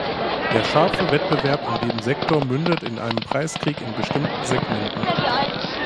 Der scharfe Wettbewerb in dem Sektor mündete in einem Preiskrieg in bestimmten Segmenten.